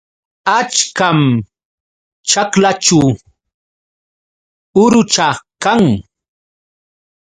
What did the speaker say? Achkam ćhaklaćhu ukucha kan.